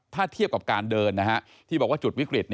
ถ้าเทียบกับการเดินที่บอกว่าจุดวิกฤต